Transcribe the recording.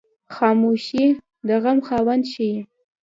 خاموشي، د زغم خاوند ښیي.